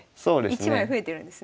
１枚増えてるんですね。